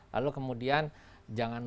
lalu kemudian jangan lupa